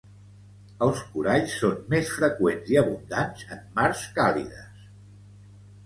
Els coralls són més freqüents i abundants en mars càlides.